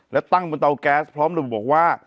และตั้งบนเตาแก๊สพร้อมระบุบอกว่า